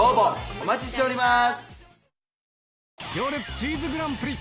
お待ちしております。